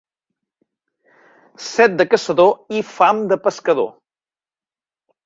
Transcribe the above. Set de caçador i fam de pescador.